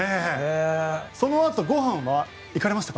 そのあとごはんは行かれましたか？